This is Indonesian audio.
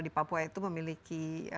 di papua itu memiliki